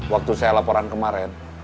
waktu saya laporan kemarin